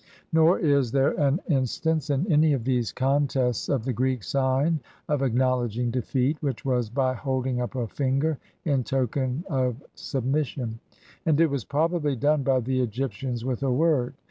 Nor is there an instance, in any of these contests, of the Greek sign of acknowledging defeat, which was by holding up a finger in token of submission; and it was probably done by the Egyptians with a word.